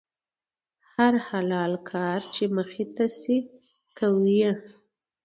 هر حلال کار چې مخې ته شي، کوي یې.